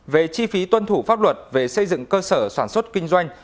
về chi phí tuân thủ pháp luật về xây dựng cơ sở sản xuất kinh doanh